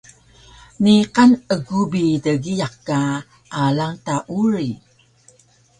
Niqan egu bi dgiyaq ka alang ta uri